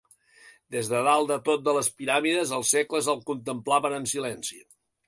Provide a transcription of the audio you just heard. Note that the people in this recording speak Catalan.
Des de dalt de tot de les Piràmides, els segles el contemplaven en silenci.